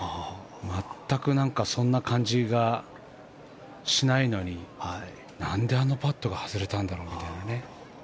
全くそんな感じがしないのになんで、あのパットが外れたんだろうみたいなね。